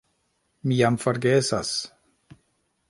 Mi jam forgesas!